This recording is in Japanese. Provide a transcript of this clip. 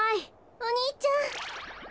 お兄ちゃん。